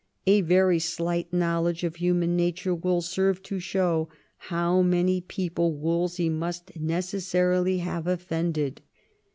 A very slight knowledge of human nature will serve to show how many people Wolsey must necessarily have offended.